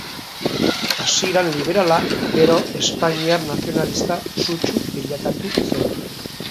Hasieran liberala gero espainiar nazionalista sutsu bilakatu zen.